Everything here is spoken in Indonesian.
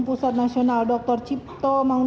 pada hal itu